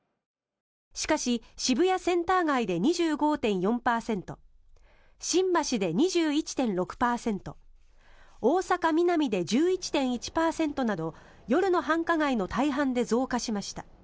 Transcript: しかし、渋谷センター街で２５．４％新橋で２１．６％大阪・ミナミで１１．１％など夜の繁華街の大半で増加しました。